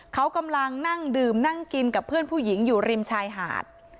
เขากำลังนั่งดื่มนั่งกินกับเพื่อนผู้หญิงอยู่ริมชายหาด